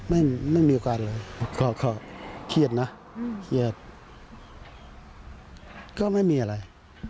ไม่มีแฟนเลยก็เครียดนะเครียดก็ไม่มีอะไร